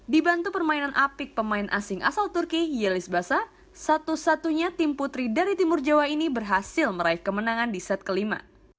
dibantu permainan apik pemain asing asal turki yeliz basa satu satunya tim putri dari timur jawa ini berhasil meraih kemenangan di set kelima